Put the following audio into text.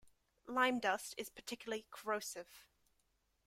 Lime dust is particularly corrosive.